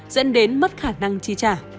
dẫn đến mất khả năng chi trả